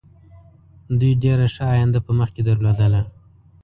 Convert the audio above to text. دوی ډېره ښه آینده په مخکې درلودله.